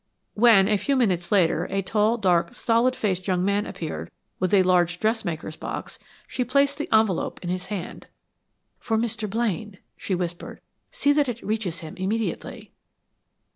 When, a few minutes later, a tall, dark, stolid faced young man appeared, with a large dressmaker's box, she placed the envelope in his hand. "For Mr. Blaine," she whispered. "See that it reaches him immediately."